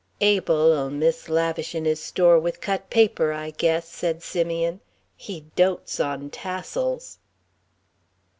"Abel'll miss lavishin' his store with cut paper, I guess," said Simeon; "he dotes on tassels."